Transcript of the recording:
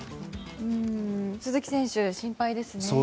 鈴木選手、心配ですね。